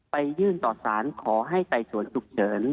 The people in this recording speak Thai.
ยื่นต่อสารขอให้ไต่สวนฉุกเฉิน